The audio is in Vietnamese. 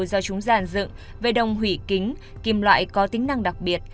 do chúng giàn dựng về đồng hủy kính kim loại có tính năng đặc biệt